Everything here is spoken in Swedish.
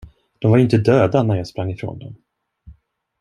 De var ju inte döda, när jag sprang ifrån dem.